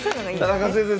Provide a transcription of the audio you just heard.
田中先生